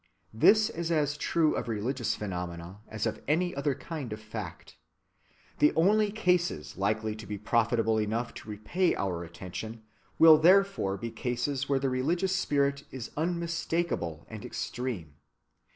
This is as true of religious phenomena as of any other kind of fact. The only cases likely to be profitable enough to repay our attention will therefore be cases where the religious spirit is unmistakable and extreme.